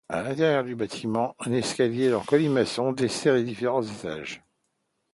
À l'intérieur du bâtiment, un escalier en colimaçon dessert les différents étages.